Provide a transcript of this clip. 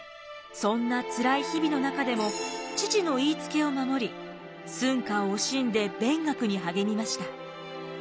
そんな辛い日々の中でも父の言いつけを守り寸暇を惜しんで勉学に励みました。